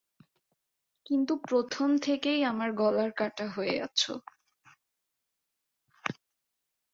কিন্তুই প্রথম থেকেই আমার গলার কাটা হয়ে আছ।